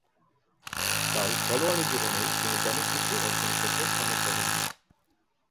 তার খেলোয়াড়ী জীবনে তিনি তেমন কিছু অর্জন করতে সমর্থ হননি।